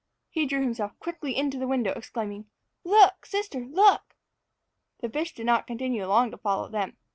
He drew himself quickly into the window, exclaiming, "Look, sister, look!" The fish did not continue long to follow them.